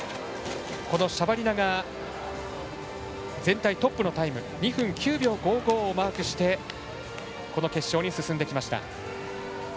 このシャバリナが全体トップのタイム２分９秒５５をマークしてこの決勝に進んできました。